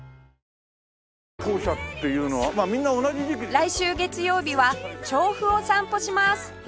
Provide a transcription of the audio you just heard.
来週月曜日は調布を散歩します